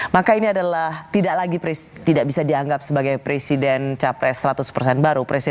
maka ini adalah tidak bisa dianggap sebagai presiden capres seratus baru